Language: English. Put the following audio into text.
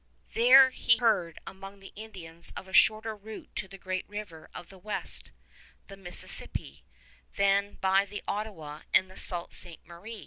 There he heard among the Indians of a shorter route to the Great River of the West the Mississippi than by the Ottawa and Sault Ste. Marie.